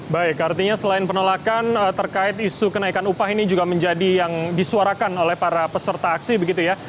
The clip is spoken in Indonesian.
baik artinya selain penolakan terkait isu kenaikan upah ini juga menjadi yang disuarakan oleh para peserta aksi begitu ya